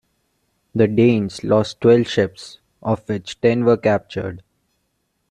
The Danes lost twelve ships, of which ten were captured.